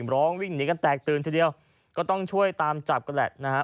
ร้องวิ่งหนีกันแตกตื่นทีเดียวก็ต้องช่วยตามจับกันแหละนะฮะ